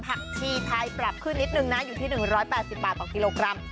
ผักชีไทยปรับขึ้นนิดนึงนะอยู่ที่๑๘๐บาทต่อกิโลกรัม